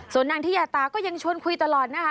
ส่วนนางทิยาตาก็ยังชวนคุยตลอดนะคะ